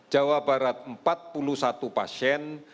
jawa barat empat puluh satu pasien